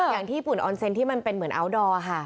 อย่างที่ญี่ปุ่นออนเซ็นต์ที่มันเป็นเหมือนอาว์ดอล